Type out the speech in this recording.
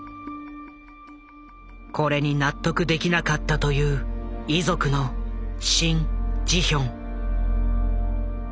これに納得できなかったという遺族のシン・ジヒョン。